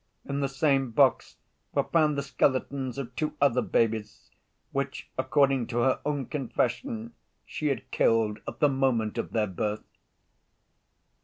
In the same box were found the skeletons of two other babies which, according to her own confession, she had killed at the moment of their birth.